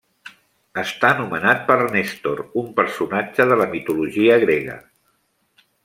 Està nomenat per Néstor, un personatge de la mitologia grega.